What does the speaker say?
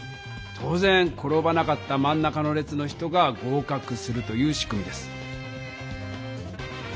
当ぜん転ばなかったまん中の列の人が合かくするという仕組みです。